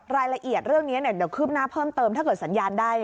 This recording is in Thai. รายละเอียดเรื่องนี้เดี๋ยวคืบหน้าเพิ่มเติมถ้าเกิดสัญญาณได้